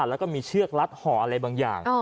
และมีเชือกและห่ออะไรบางอย่าง